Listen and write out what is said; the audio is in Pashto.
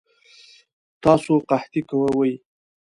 تاسو قطعی کوئ؟